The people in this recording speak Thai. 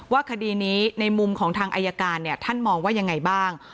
คดีนี้ในมุมของทางอายการเนี่ยท่านมองว่ายังไงบ้าง